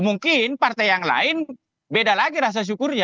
mungkin partai yang lain beda lagi rasa syukurnya